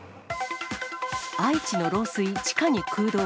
愛知の漏水、地下に空洞。